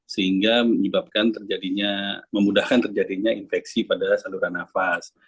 sehingga menyebabkan terjadinya memudahkan terjadinya infeksi pada saluran nafas